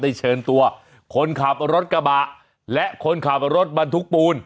เชิญตัวคนขับรถกระบะและคนขับรถบรรทุกปูน